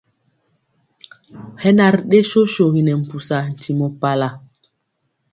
Hɛ na ri ɗe sosogi nɛ mpusa ntimɔ pala.